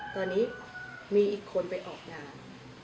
ตอนนี้มีอีกคนไปออกงาน